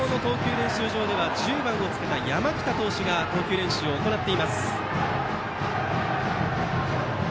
練習場では１０番をつけた山北投手が投球練習をしています。